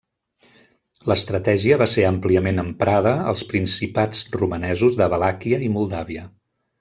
L'estratègia va ser àmpliament emprada als principats romanesos de Valàquia i Moldàvia.